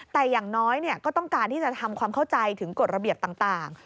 แต่อย่างน้อยก็ต้องการที่จะทำความเข้าใจถึงกฎระเบียบต่าง